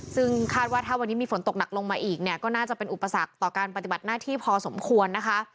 ซึ่งคาดว่าถ้าวันนี้มีฝนตกหนักลงมาอีกเนี่ยก็น่าจะเป็นอุปสรรคต่อการปฏิบัติหน้าที่พอสมควรนะคะ